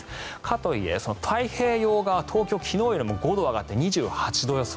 とはいえ太平洋側東京、昨日よりも５度上がって２８度予想。